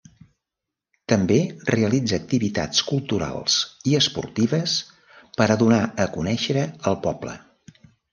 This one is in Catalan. També realitza activitats culturals i esportives per a donar a conèixer el poble.